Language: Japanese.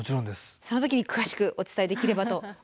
その時に詳しくお伝えできればと思います。